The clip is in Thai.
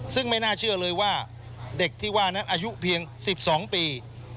ซึ่งไม่น่าเชื่อเลยว่าเด็กที่ว่านั้นอายุเพียง๑๒ปี